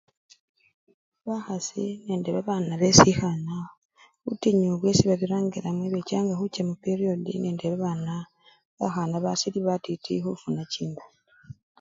Bakhasi nende babana besikhana, butinyu bwesi babirangilamo ebechanga khucha mupiriodi nende babana bakahana basili batiti khufuna chinda.